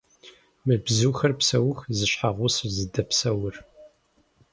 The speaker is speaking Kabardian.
Мы бзухэр псэуху зы щхьэгъусэщ зыдэпсэур.